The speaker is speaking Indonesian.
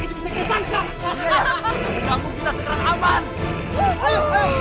buat seven niecau bahosan